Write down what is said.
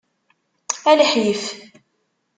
A lḥif.